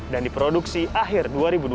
dan diproduksi akhir dua ribu dua puluh satu